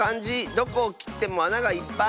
どこをきってもあながいっぱい。